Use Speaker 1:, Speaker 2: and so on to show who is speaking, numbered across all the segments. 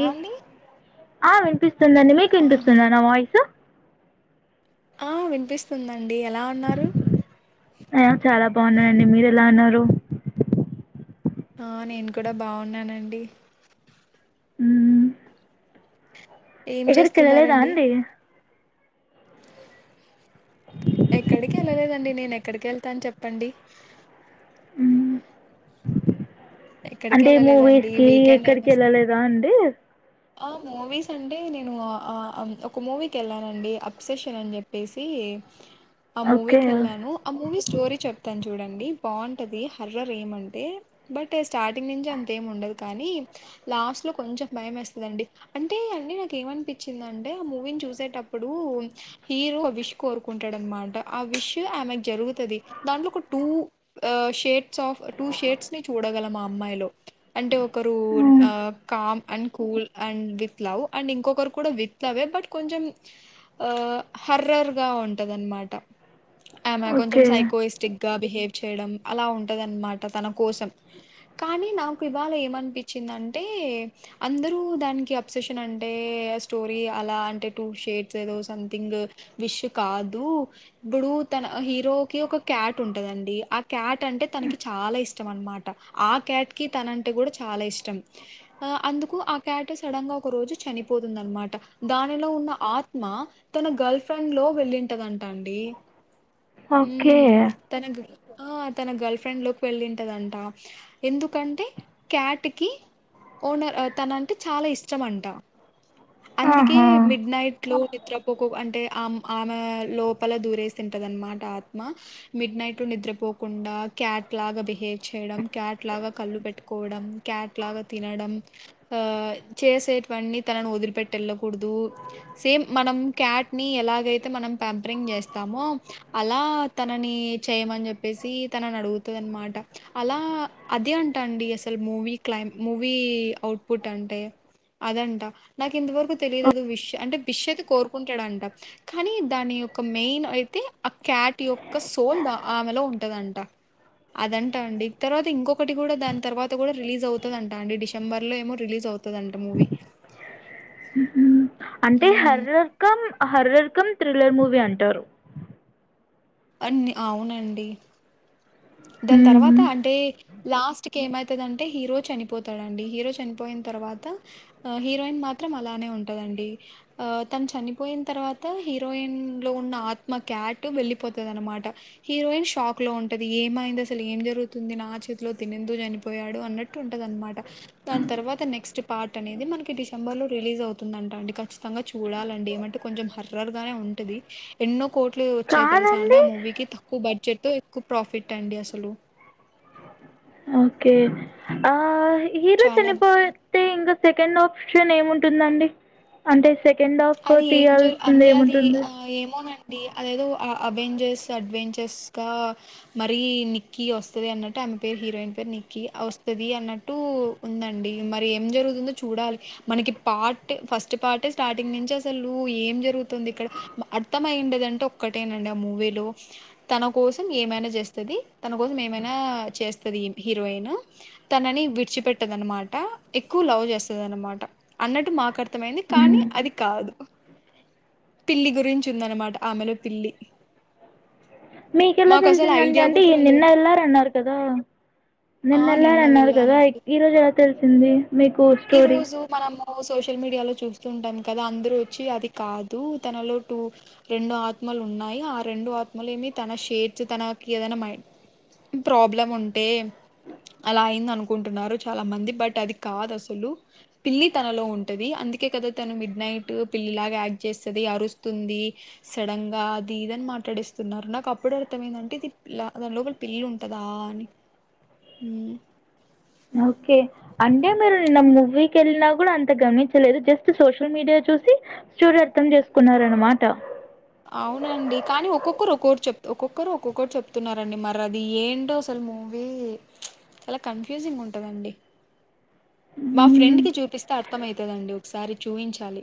Speaker 1: యాండి
Speaker 2: ఆ వినిపిస్తుందిండి మీకు వినిపిస్తుంది నా వాయిస్
Speaker 1: ఆ వినిపిస్తుందండి ఎలా ఉన్నారు
Speaker 2: ఆ చాలా బాగున్నాయంండి మీరు ఎలా ఉన్నారు
Speaker 1: ఆ నేను కూడా బాగున్నానండి
Speaker 2: అ
Speaker 1: ఏం
Speaker 2: ఇక్కడికి వెళ్ళలేదా
Speaker 1: చేస్తున్నారండి
Speaker 2: అండి
Speaker 1: ఎక్కడికి వెళ్ళలేదండి నేను ఎక్కడికి వెళ్తాను చెప్పండి
Speaker 2: ఉ
Speaker 1: ఎక్కడికి
Speaker 2: అంటే మూవీస్
Speaker 1: వెళ్ళలేదండి
Speaker 2: కి
Speaker 1: వీకెండ్
Speaker 2: ఎక్కడికి
Speaker 1: అయినా సరే
Speaker 2: వెళ్ళలేదా అండి
Speaker 1: ఆ మూవీస్ అంటే నేను ఒక మూవీకి వెళ్ళానండి అప్సెషన్ అని చెప్పేసి ఆ
Speaker 2: ఓకే
Speaker 1: మూవీకి వెళ్ళాను ఆ మూవీ స్టోరీ చెప్తాను చూడండి డి బాగుంటది హర్రర్ ఏమంటే బట్ స్టార్టింగ్ నుంచి అంతేం ఉండదు కానీ లాస్ట్ లో కొంచెం భయం వస్తంది ండి అంటే అన్నీ నాకు ఏమనిపించింద అంటే ఆ మూవీని చూసేటప్పుడు హీరో అవిష్ కోరుకుంటాడ అనమాట ఆ విష్ ఆమెకు జరుగుతుంది దాంట్లో ఒక two shades of two shades ని చూడగల మా అమ్మాయిలో అంటే ఒకరు
Speaker 2: మ్మ్
Speaker 1: calm and cool and with love and ఇంకొకరు కూడా విత్ లవ్ే బట్ కొంచం హరర్గా బా ఉంటదనమాట ఆమె కొంచెం
Speaker 2: ఓకే
Speaker 1: సైకోయిస్టిక్ గా బిహేవ్ చేయడం అలా ఉంటదన్నమాట తన కోసం కానీ నాకు ఇవాళ ఏమనిపించిందంటే అందరూ దానికి అప్సెషన్ అంటే స్టోరీ అలా అంటే టూ షేట్స్ ఏదో సంథింగ్ విష్ కాదు ఇప్పుడు తన హీరో క ఒక క్యాట్ ఉంటదండి ఆ క్యాట్ అంటే తనకి చాలా చాలా ఇష్టం అనమాట ఆ క్యాట్ కి తనంటే కూడా చాలా ఇష్టం ఆ అందుకు కట సడన్ గా ఒక రోజు చనిపోతుంద అనమాట దానిలో ఉన్న ఆత్మ తన గర్ల్ ఫ్రెండ్ లో ఓ వెళ్ళింటదంటా అండి
Speaker 2: ఓకే
Speaker 1: తనకు ఆ తన గర్ల్ ఫ్రెండ్ లోకి వెళ్ళింటదంట ఎందుకంటే క్యాట్ కి ఓనర్ తన అంటే చాలా ఇష్టం అంట అందుకే
Speaker 2: ఆహా
Speaker 1: మిడ్ నైట్ ట్ నిద్రపోకు అంటే ఆమె లోపల దూరేసింటద అనమాట ఆత్మ మిడ్ నైట్ నిద్రపోకుండా క్యాట్ లాగా బిహేవ్ చేయడం క్యాట్ లాగా కళ్ళు పెట్టుకోవడం క్యాట్ లా వగ తినడం ఆ చేసేటువన్నీ తనను వదిలిపెట్ వెళ్ళకూడదు సేమ్ మనం క్యాట్ ని ఎలాగైతే మనం ంపరింగ్ చేస్తాము అలా తనని చేయమని చెప్పేసి తనని అడుగుతుంది అనమాట అలా అదే అంటా అండి అసలు మూవీ క్లై మూవీ అవుట్ పుట్టంటే అదంట నాకు ఇంతవరకు తెలియలేదు విష అంటే విషది కోరుకుంటాడంట కానీ దాని క్క మెయిన్ అయితే ఆ క్యాట్ యొక్క సోల్ ఆమెలో ఉంటదంట అదంటా అండి తర్వాత ఇంకొకటి కూడా దాని తర్వాత కూడా రిలీజ్ అవుతుందంట అండి డిసెంబర్ లో ఏమో రిలీస్ అవుతుదంట మూవిీ
Speaker 2: మ్మ్ అంటే హర రకం హర రకం థ్రిల్లర్ మూవీ అంటారు
Speaker 1: అన్ని అవునండి దాని తర్వాత
Speaker 2: మ్మ్
Speaker 1: అంటే లాస్ట్ క ఏమైతదంటే హీరో చనిపోతాడుండి హీరో చనిపోయిన తర్వాత హీరోయిన్ మాత్రం అలా ఉంటండి తను చనిపోయిన తర్వాత హీరోయిన్ లో ఉ ఆత్ అటు వెళ్ళలిపోతుంది అనమాట హీరోయిన్ షాక్ లో ఉంటంది ఏమైంది అసలు ఏం జరుగుతుంది నా చేతిలో తినేందు చనిపోయాడు అన్నట్టు ఉంటది అనమాట దాని తర్వాత తర్వాత నెక్స్ట్ార్ అనేది మనకి డిసెంబర్ లో రిలీజ్ అవుతుందంట అండి చ్చిత చూాలండి ఏమంటే కొంచెం హర్ గా ఉంటది ఎన్నో కోట్లు వచ్చాయి తెలుసా అంటే ఆ
Speaker 2: కాదండి
Speaker 1: మూవీ క తక్కువ బడ్జెట్ త ఎక్కువ ప్రఫిట్ అండి అసలు
Speaker 2: ఓకే ఆ హీరో
Speaker 1: చాలా
Speaker 2: శనిపోతే ఇ సెకండ్ ఆప్షన్ ఏముంటుందండి అంటే సెకండ్ హాఫ్
Speaker 1: అది ఏం జ
Speaker 2: తీయాల్సింది
Speaker 1: అంటే అది
Speaker 2: ఏముంటుంద్
Speaker 1: ఆ ఏమోనండి అదేదో అవెంజర్స్ అడ్వెంచర్స్ గా మరీ నిక్కీ వస్తుది అన్నట్టు పే హీరోయిన్ పేరు నిక్కి వస్తుది అన్నట్టు ఉందండి మరి ఏం జరుగుతుందో చూడాలి మనకి పార్ట్ ఫస్ట్ పార్ట్ స్టార్ట్ నించసలు ఏం జరుగుతుంది ఇక్కడ అర్థం అయిండదింటే ఒక్కటేనండి ఆ మూవీలో తన కోసం ఏమైనా చేస్తది తన కోసం ఏమైనా చేస్తది హీరోయిన్ తనని విడిచిపెట్టదనమాట ఎక్కువ లవ్ చేస్తుదనమాట అన్నట్టు మాకు అర్థమైంది కానీ అది కాదు పిల్లి గురించి ఉందనమాట ఆమెలో పిల్లి
Speaker 2: మీకెలా
Speaker 1: మాకు అసలు
Speaker 2: తెలిసిందండి
Speaker 1: ఐడియా
Speaker 2: అంటే
Speaker 1: కూడా
Speaker 2: ఇ నిన్న
Speaker 1: రాలేదు
Speaker 2: వెళ్లారన్నారు కదా
Speaker 1: ఆ నిన్న
Speaker 2: నిన్నెలారన్నారు కదా
Speaker 1: వెళ్ళానండి
Speaker 2: ఈరోజు ఎలా తెలిసింది మీకు స్టోరీ
Speaker 1: ఓ సోషల్ మీడియా లో చూస్తూ ఉంటాం కదా అందరూ వచ్చి అది కాదు తనలో టూ రెండు ఆత్మ ఉన్నాయి ఆ రెండు ఆత్మలేమి తన షేడ్స్ తనకి ఏదనా మై ప్రాబ్లం ఉంటే అలా అయింది అనుకుంటున్నారు చాలా మంది బట్ అది కాదు అస్ పిల్లి తనలో ఉంటది అందుకే కద తను మిడ్ నైట్ పిల్లి లాగా యాక్ట్ చేస్తది అరుస్తు ఉంది సడన్ గా అది ఇదని మాట్లాడేస్తున్నారు నాకు అప్పుడు అర్థం ఏందంటే ఇది దాని లోపల ఇల్లుంటదా అని
Speaker 2: ఓకే అంటే మీరు నిన్న మూవీకి వెళ్ళినా కూడా అంత గమనిచలేదు జస్ట్ సోషల్ మీడియా చూసి స్టోరి అర్థం చేసుకున్నరనమాట
Speaker 1: అవునండి కానీ ఒక్కొక్కరు ఒక్కొక్కటి చెప్ ఒక్కొక్కరు ఒక్కొక్కటి చెప్తున్నారండి మరి అది ఏంటో అసలు మూవీ చాలా కన్ఫ్యూజింగ్ ఉంటదండి మా
Speaker 2: హ్మ్.
Speaker 1: ఫ్రెండ్కి చూపిస్తే అర్థమయితదండి ఒకసారి చూయించాలి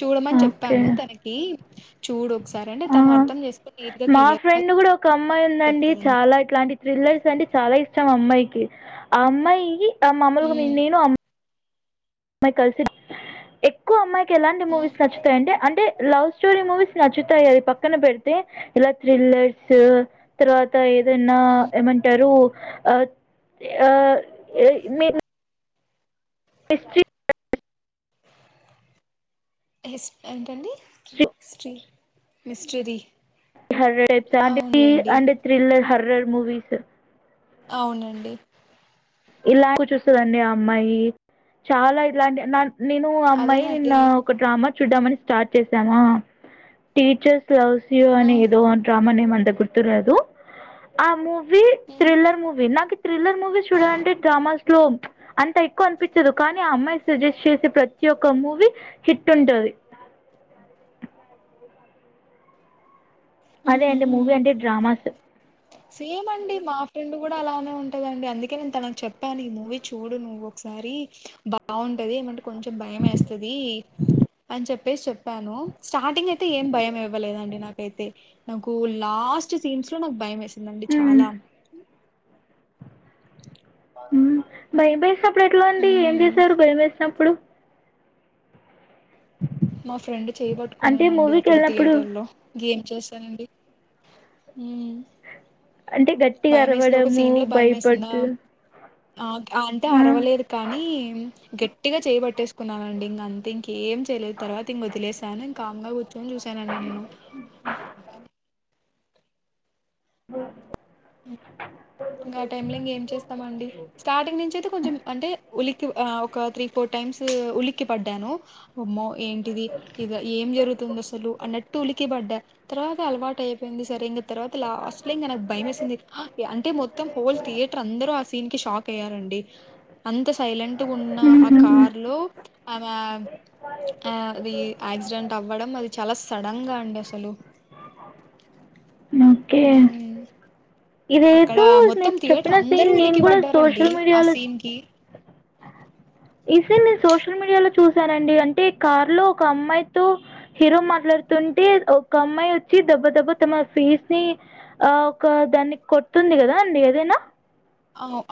Speaker 1: చూడమని
Speaker 2: ఓకే.
Speaker 1: చెప్తాను తనకి చూడు ఒకసారి అంటే తను
Speaker 2: ఆ!
Speaker 1: అర్థం చేసు
Speaker 2: మా ఫ్రెండ్ గుడ ఒక అమ్మాయి ఉందండి
Speaker 1: చెప్తదనమాట
Speaker 2: చాలా ఇట్లాంటి థ్రిల్లర్స్ అంటే చాలా ఇష్టం అమ్మాయికి ఆ అమ్మాయి ఆ మామలుగా నేను కల్సి ఎక్కువ అమ్మాయికి ఎలాంటి మూవీస్ నచ్చుతాయంటే అంటే లవ్ స్టోరీ మూవీస్ నచ్చుతాయి అది పక్కన పెడితే ఇలా థ్రిల్లర్స్ తర్వాత దనా ఏమంటారు ఆ ఆ మీ ఎస్టీ
Speaker 1: ఎస్ ఏంటండి మిస్టరీ అవునులేండి
Speaker 2: హర్రర్ మూవీస్
Speaker 1: అవునండి
Speaker 2: ఇలాకు చూస్తుదండి ఆ అమ్మాయి చాలా ఇలాంటి నేను ఆ అమ్మాయి నిన్న
Speaker 1: అదేనండి
Speaker 2: ఒక డ్రామా చూడమని స్టార్ట్ చేసామా టీచర్స్ [unintelligible]
Speaker 1: ఆ,
Speaker 2: అని ఏదో అంటా మనేమంత గుర్తురాదు ఆ మూవీ
Speaker 1: ఉమ్,
Speaker 2: థ్రిల్లర్ మూవీ నాకు థ్రిల్లర్ మూవీ చూడాలంటే డ్రామాస్ లో అంత ఎక్కువ అనిపిచ్చదు కానీ ఆ అమ్మాయి సజెస్ట్ చేసే ప్రతి ఒక్క మూవీ హిట్ ఉంటది అదే అండి మూవీ అంటే
Speaker 1: ఉహుం.
Speaker 2: డ్రామాస్
Speaker 1: సేమ్ అండి మా ఫ్రెండ్ గూడా అలానే ఉంటదండి అందుకే నేను తనకు చెప్పాను ఈ మూవీ చూడు నువ్వు ఒకసా మరి బాగుంటది ఏమంటే కొంచెం భయం ఏస్తది అని చెప్పేసి చెప్పాను స్టార్టింగ్ అయితే ఏం భయం ఎవ్వలేదండి నాకైతే నాకు లాస్ట్ సీన్స్ లో నాకు భయం వేసిందండి
Speaker 2: మ్మ్.
Speaker 1: చాలా
Speaker 2: భయమేసినప్పుడు ఎట్లండి ఏం
Speaker 1: ఉమ్
Speaker 2: చేసారు భయం వేసినప్పుడు
Speaker 1: మా ఫ్రెండ్
Speaker 2: అంటే
Speaker 1: చేయబట్టుకున్నానండి
Speaker 2: మూవీకి
Speaker 1: అప్పుడు
Speaker 2: వెళ్ళినప్పుడు
Speaker 1: థియేటర్ లో గేమ్ చేశానండి
Speaker 2: అంటే గట్టిగా
Speaker 1: భయం వేసింది ఒక
Speaker 2: అరవడము
Speaker 1: సీన్ లో భయం
Speaker 2: భయపట్టు
Speaker 1: వేసిందా ఆ అంటే అరవలేదు కానీ గట్టిగా చేయబట్టేసుకున్నానుండి ఇంక అంత ఇంకేం చేయలేదు తర్వాత ఇంక వదిలేసాను ఇంకా కామ్గా చైలు చూశానండి నేను
Speaker 2: అ
Speaker 1: అ ఇంకా ఆ టైమ్ లో ఇంక ఏం చేస్తామండి స్టార్టింగ్ నుంచి అయితే కొంచెం అంటే ఉలికి ఒక త్రీ ఫోర్టీ టైమ్స్ ఉలిక్ పడ్డాను ఆమ్మో ఏంటిది ఏం జరుగుతుంది అ అన్నటు కి పడ్డ తర్వాత అలవాట్టు అయిపోయింది సార్ ఇంక తర్వాత లాస్ట్ లో ఇక భయం అంటే మొత్తం హోల్ థియేటర్ అందరూ ఆ సీన్ కి షాక్ అయ్యారండి అంత సైలెంట్ టు ఉన్న ఆ
Speaker 2: ఉహు
Speaker 1: కార్ లో ఆమె ఆ అది యాక్సిడెంట్ అవ్వడం అది చాలా సడన్ గా అండి అసలు
Speaker 2: ఓకే
Speaker 1: ఉమ్ అక్కడ
Speaker 2: ఇదేతే మీ
Speaker 1: మొత్తం థియేటర్
Speaker 2: చెప్పినా
Speaker 1: అందరూ
Speaker 2: సేన్ నేను
Speaker 1: ఉలికి
Speaker 2: కూడా
Speaker 1: పడ్డారండి
Speaker 2: సోషల్
Speaker 1: ఆ
Speaker 2: మీడియాలో
Speaker 1: సీన్ కి
Speaker 2: ఈసే నేను సోషల్ మీడియాలో చూసానండి అంటే కారు లో ఒక అమ్మాయితో హీరో మాట్లాడుతుంటే ఒక అమ్మాయి వచ్చి దెబ్బ దెబ్బ తమ ఫీస్ ని ఆ ఒక దానికి కొట్తుంది కదా అండి ఏదైనా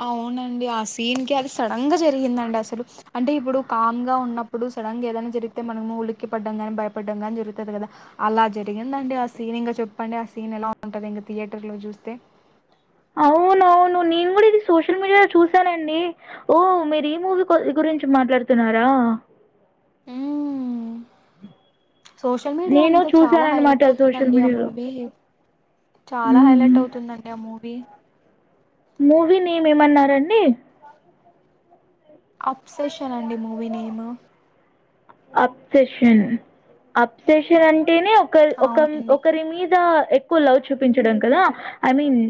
Speaker 1: అవునండి ఆ సీన్ కి అది సడన్ గా జరిగిందండి అసలు అంటే ఇప్పుడు కామ్ గా ఉన్న ప్పుడు సడన్ గా ఏదైనా జరిగితే మనము ఉలిక్కి పడ్డం గాని భయపడ్డం గాని జరుగుతుంది కదా అలా జరిగిందండి అ సీన్ ఇంకా చెప్పండి ఆ సీన్ ఎలా ఉంటది ఇంకా థియేటర్ లో చూస్తే
Speaker 2: అవునవును నేను కూడా ఇది సోషల్ మీడియాలో చూసానండి ఓ మీరు ఈ మూవీ గురించి మాట్లాడుతున్నారా
Speaker 1: హ్మ్ సోషల్ మీడియా
Speaker 2: నేను
Speaker 1: అంతా చాలా హైలైట్
Speaker 2: చూసానన్నమాట సోషల్
Speaker 1: అవుతుందండి ఆ
Speaker 2: మీడియాలో
Speaker 1: మూవీ చాలా హైలైట్
Speaker 2: మ్మ్.
Speaker 1: అవుతుందండి ఆ మూవీ
Speaker 2: మూవీ నెమ్ ఎ మంన్నారండి
Speaker 1: అప్సెషన్ అండి మూవీ నేమ్
Speaker 2: అప్సెషన్ అప్సెషన్ అంటే అంటేనే ఒక ఒక
Speaker 1: అవునండి
Speaker 2: ఒకరి మీద ఎక్కువ లవ్ చూపించడం కదా ఐ మీన్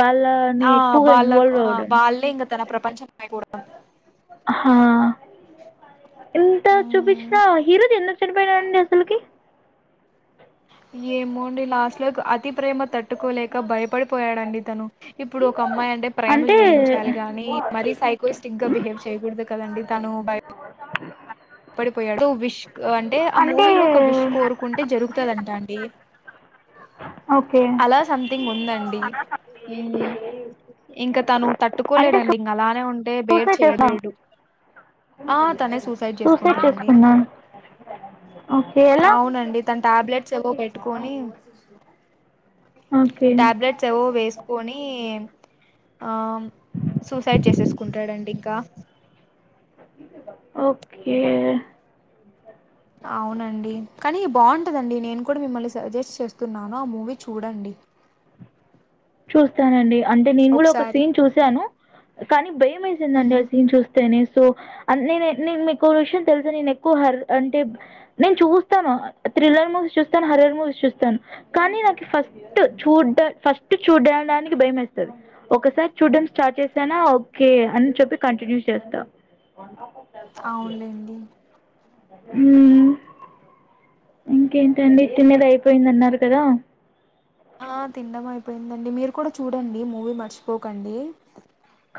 Speaker 2: వాళ్ళని
Speaker 1: ఆ
Speaker 2: ఎక్కువగా
Speaker 1: వాళ్ళ
Speaker 2: ఇన్వాల్వ్ అవ్వడం
Speaker 1: వాళ్ళే ఇంక తన ప్రపంచం అయిపోవడం
Speaker 2: హా ఎంత చూపించినా హీరోది ఎందుకు చనిపోయిననండి అసలుకి
Speaker 1: ఏమో లాస్ట్ లో అతి ప్రేమ తట్టుకోలేక భయపడిపోయాడండి తను ఇప్పుడు ఒక అమ్మాయి అంటే ప్రేమ చూయిించాలి గానీ మరీ సైకోయిస్టిక్ గా బిహేవ్ చేయకూడదు కదండి తను బయ పడిపోయాడుడు విష్ అంటే ఆ మూవీ లో ఒక విష్ కోరుకుంటే జరుగుతుదంటాండి
Speaker 2: ఓకే
Speaker 1: అలా సంథింగ్ ఉందండి హ్మ్ ఇంకా తను
Speaker 2: అంటే
Speaker 1: తట్టుకోలేడంండి ఇంక అలానే ఉంటే బేరు
Speaker 2: సూసైడ్ చేసా
Speaker 1: చేయలేడు ఆ తనే సూసైడ్ చేస్తా
Speaker 2: సూసైడ్ చేసుకున్నా ఓకే ఎలా
Speaker 1: అవునండి తన టాబ్లెట్స్ ఏవో పెట్టుకొని
Speaker 2: ఓకే
Speaker 1: టాబ్లెట్స్ ఏవో వేసుకొని ఆ సూసైడ్ చేసేసుకుంటాడండి ఇంకా
Speaker 2: ఓకే
Speaker 1: అవునండి కానీ బాగుంటుందండి నేను కూడా మిమ్మల్ని సజెస్ట్ చేస్తున్నాను ఆ మూవీ చూడండి
Speaker 2: చూస్తానండి అంటే నేను కూడా ఒక
Speaker 1: ఒకసారి
Speaker 2: సీన్ చూశాను కానీ బై ేసిందండి
Speaker 1: ఉమ్
Speaker 2: ఆ సీన్ చూస్తేనే సో నేను నేను మీకు విషయం తెలుస నేను ఎక్కువ హర్ అంటే నేను చూస్తాను రిల్లర్ మూసి చూస్తాను హరిర్ మూవీ చూస్తాను కానీ నాకు ఫస్ట్ చూడ్డ ఫస్ట్ చూడడానికి భయం వేస్తుంది ఒకసారి చూడడం స్టార్ట్ చేశానా ఓకే అని చెప్పి కంటిన్యూ విస్త
Speaker 1: అవునులేండి
Speaker 2: అ ఇంకేంటండి ఇచ్చ మీద అయిపోయింది అన్నారు కదా
Speaker 1: ఆ తిన అయిపోయిందండి మీరు కూడా చూడండి మూవీ మర్చిపోకండి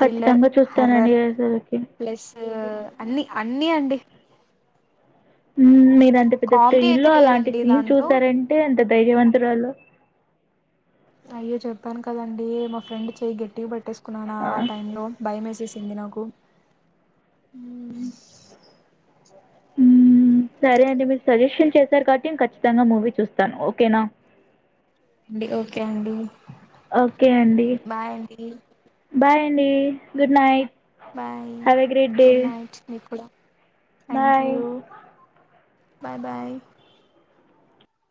Speaker 1: థ్రిల్లర్
Speaker 2: చూస్తానండి ఏసలకి
Speaker 1: ఆ అన్ని అన్ని అండి
Speaker 2: మీరు అంత పెద్ద
Speaker 1: కామెడీ
Speaker 2: స్టేజ
Speaker 1: అయితే
Speaker 2: లో అలాంటి
Speaker 1: లేదండి
Speaker 2: సీన్
Speaker 1: దాంట్లో
Speaker 2: చూసారంటే అంత రైజ వంటలో
Speaker 1: అయ్యో చెప్పాను కదండి మా ఫ్రెండ్ చెయ్యి గట్టిగా పట్టేసుకున్నా ఆ టైమ్ లో భయే చెంది నకు
Speaker 2: ఉ సరే అండి మీరు సజెషన్ చేశారు కాట్టి ్యం ఖచ్చితంగా మూవీ చూస్తాను ఓకేనా
Speaker 1: అండి ఓకే అండి
Speaker 2: ఓకే అండి
Speaker 1: బాయ్ అండి
Speaker 2: బాయ్ అండి good night
Speaker 1: bye
Speaker 2: have a great day.
Speaker 1: Good night నిపు thank
Speaker 2: bye.
Speaker 1: You bye bye